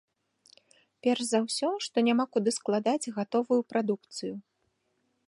Перш за ўсё, што няма куды складаць гатовую прадукцыю.